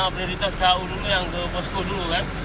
prioritas ke hu dulu yang ke posko dulu kan